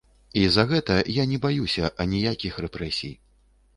І за гэта я не баюся аніякіх рэпрэсій.